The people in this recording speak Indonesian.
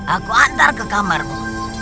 aku antar ke kamarmu